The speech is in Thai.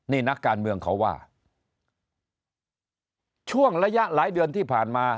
นี่นักการเมืองเขาว่าช่วงระยะหลายเดือนที่ผ่านมา